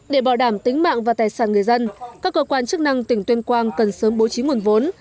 để bảo đảm tính mạng và tài sản người dân các cơ quan chức năng tỉnh tuyên quang cần sớm bố trí nguồn vốn